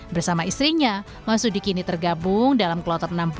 bersama istrinya mas sudi kini tergabung dalam kelotot enam puluh